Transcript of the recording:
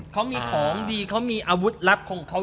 เขามีของดีเขามีอาวุธลับของเขา